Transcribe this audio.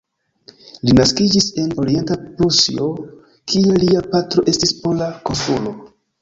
Li naskiĝis en Orienta Prusio, kie lia patro estis pola konsulo.